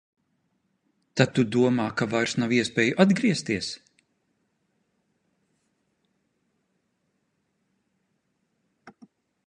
Tad tu domā, ka vairs nav iespēju atgriezties?